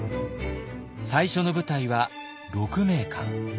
最初の舞台は鹿鳴館。